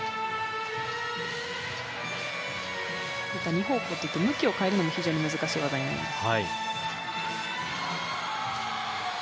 ２方向、向きを変えるのも非常に難しい技になります。